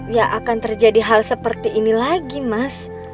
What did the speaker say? ya akan terjadi hal seperti ini lagi mas